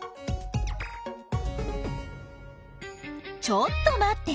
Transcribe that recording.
ちょっと待って。